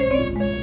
bapak juga begitu